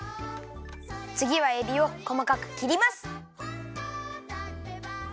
つぎはえびをこまかくきります。